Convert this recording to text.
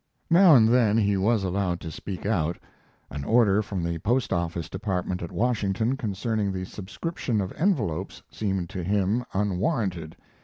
Now and then he was allowed to speak out: An order from the Past office Department at Washington concerning the superscription of envelopes seemed to him unwarranted.